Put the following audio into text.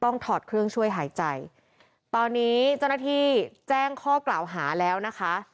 ถอดเครื่องช่วยหายใจตอนนี้เจ้าหน้าที่แจ้งข้อกล่าวหาแล้วนะคะ